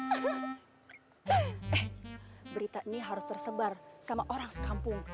eh berita ini harus tersebar sama orang sekampung